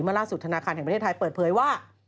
ล่าสุดธนาคารแห่งประเทศไทยเปิดเผยว่า